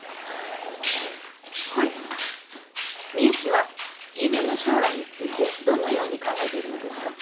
はいみゆきは自分の将来についてどのように考えているのですか？